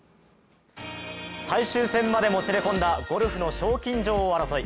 最終戦までもつれ込んだゴルフの賞金女王争い。